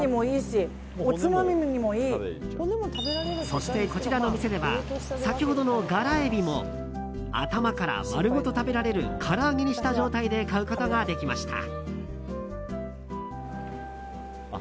そして、こちらの店では先ほどのガラエビも頭から丸ごと食べられるから揚げにした状態で買うことができました。